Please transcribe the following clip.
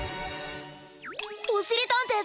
おしりたんていさん！